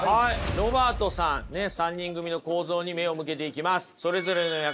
ロバートさん３人組の構造に目を向けていきます。